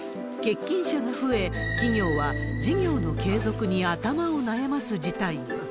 欠勤者が増え、企業は事業の継続に頭を悩ます事態に。